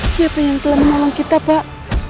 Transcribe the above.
siapa yang telah menolong kita pak